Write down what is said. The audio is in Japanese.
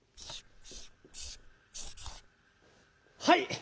はい！